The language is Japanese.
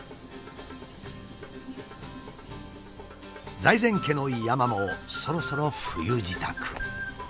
財前家の山もそろそろ冬支度。